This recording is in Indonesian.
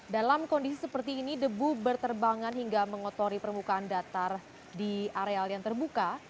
dalam kondisi seperti ini debu berterbangan hingga mengotori permukaan datar di areal yang terbuka